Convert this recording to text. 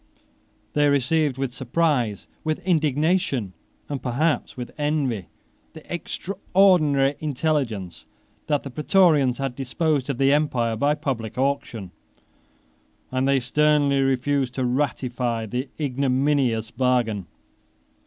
They received with surprise, with indignation, and perhaps with envy, the extraordinary intelligence, that the Prætorians had disposed of the empire by public auction; and they sternly refused to ratify the ignominious bargain.